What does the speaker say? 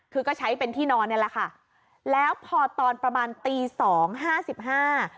คือก็ใช้เป็นที่นอนเนี่ยแหละค่ะแล้วพอตอนประมาณตีสองห้าสิบห้า